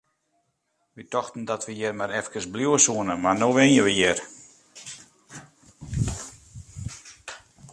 Wy tochten dat we hjir mar efkes bliuwe soene, mar no wenje we hjir!